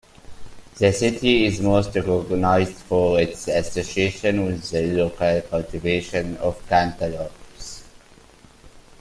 The city is most recognized for its association with the local cultivation of cantaloupes.